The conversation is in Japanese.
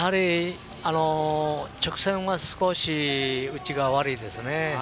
直線は少し内が悪いですね。